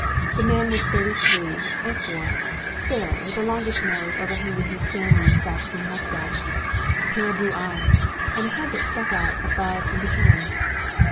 The man was thirty three or four, fair, with a longish nose overhanging his sandy flaxen moustache, pale blue eyes, and a head that struck out above and behind.